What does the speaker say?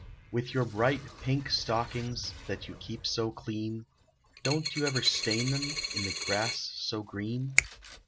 With your bright pink stockings, That you keep so clean; Don't you ever stain them In the grass so green?